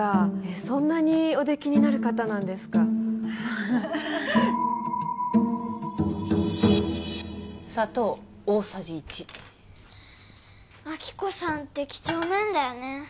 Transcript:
そんなにお出来になる方なんですか砂糖大さじ１亜希子さんって几帳面だよね